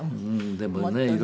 でもね